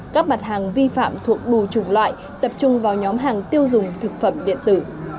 các mặt hàng vi phạm thuộc đủ chủng loại tập trung vào nhóm hàng tiêu dùng thực phẩm điện tử